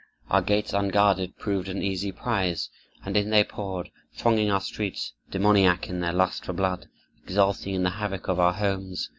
Our gates unguarded proved an easy prize, and in they poured, thronging our streets, demoniac in their lust for blood, exulting in the havoc of our homes.